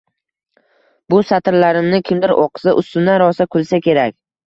Bu satrlarimni kimdir o`qisa, ustimdan rosa kulsa kerak